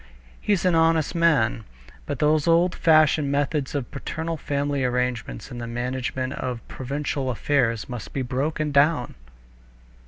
He's an honest man. But those old fashioned methods of paternal family arrangements in the management of provincial affairs must be broken down."